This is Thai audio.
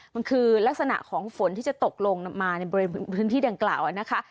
มันคือลักษณะของฝนที่จะตกลงมาในบริเวณพื้นที่ดังกล่าวนะคะ